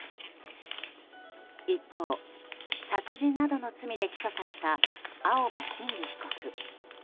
一方、殺人の罪などで起訴された青葉真司被告。